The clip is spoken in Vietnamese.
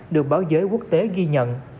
được báo giới quốc tế ghi nhận